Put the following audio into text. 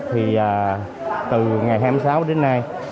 thì từ ngày hai mươi sáu đến nay